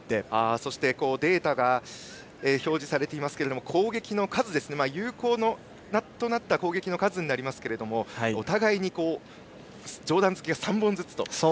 そして、データが表示されていますけれども有効となった攻撃の数ですがお互いに上段突きが３本ずつと。